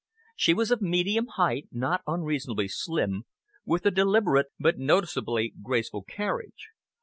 She was of medium height, not unreasonably slim, with a deliberate but noticeably graceful carriage.